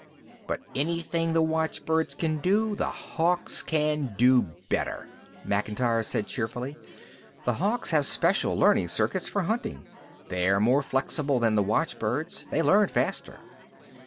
"But anything the watchbirds can do, the Hawks can do better," Macintyre said cheerfully. "The Hawks have special learning circuits for hunting. They're more flexible than the watchbirds. They learn faster."